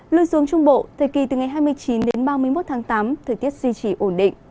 lưu xuống trung bộ thời kỳ từ ngày hai mươi chín đến ba mươi một tháng tám thời tiết duy trì ổn định